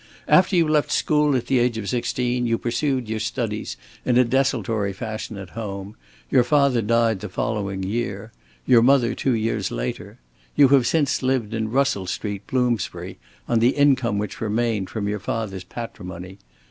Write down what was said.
After you left school, at the age of sixteen, you pursued your studies in a desultory fashion at home. Your father died the following year. Your mother two years later. You have since lived in Russell Street, Bloomsbury, on the income which remained from your father's patrimony.